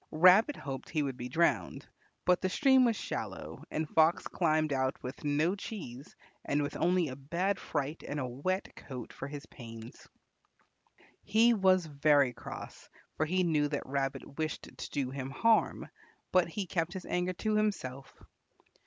Rabbit hoped he would be drowned, but the stream was shallow and Fox climbed out with no cheese and with only a bad fright and a wet coat for his pains. He was very cross, for he knew that Rabbit wished to do him harm, but he kept his anger to himself.